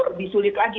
lebih sulit lagi